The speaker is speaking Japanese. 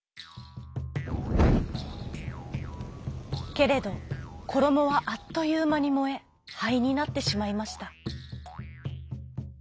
けれどころもはあっというまにもえはいになってしまいました。